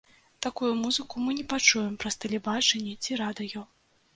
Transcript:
Такую музыку мы не пачуем праз тэлебачанне ці радыё.